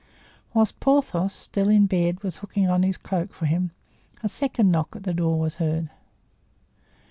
Whilst Porthos, still in bed, was hooking on his cloak for him, a second knock at the door was heard.